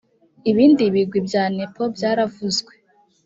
ibindi bigwi bya nepo byaravuzwe